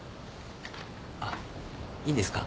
あっいいですか？